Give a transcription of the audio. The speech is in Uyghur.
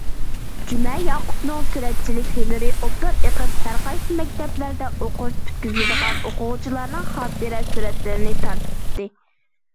جۈمە ياقۇپنىڭ سۈرەتچىلىك ھۈنىرى ئوبدان ئېقىپ، ھەرقايسى مەكتەپلەردە ئوقۇش پۈتكۈزىدىغان ئوقۇغۇچىلارنىڭ خاتىرە سۈرەتلىرىنى تارتتى.